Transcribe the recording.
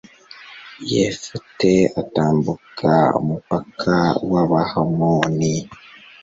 yefute atambuka umupaka w'abahamoni